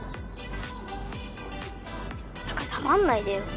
だから黙んないでよ！